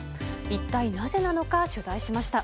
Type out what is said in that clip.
一体なぜなのか、取材しました。